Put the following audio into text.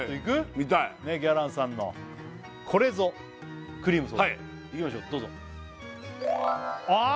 見たいギャランさんのこれぞクリームソーダいきましょうどうぞああ